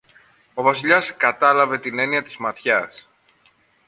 Ο Βασιλιάς κατάλαβε την έννοια της ματιάς